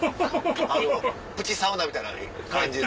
プチサウナみたいな感じ。